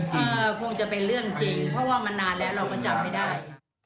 เพราะว่ามันนานแล้วเราก็จับไม่ได้